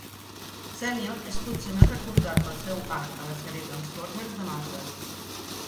Senior és potser més recordat pel seu art a la sèrie Transformers de Marvel.